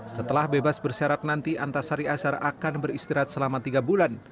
setelah bebas bersyarat nanti antasari azhar akan beristirahat selama tiga bulan